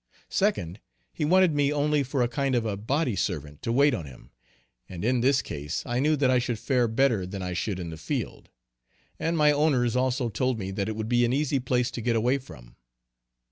Second, he wanted me only for a kind of a body servant to wait on him and in this case I knew that I should fare better than I should in the field. And my owners also told me that it would be an easy place to get away from.